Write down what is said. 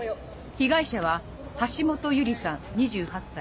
被害者は橋本優里さん２８歳。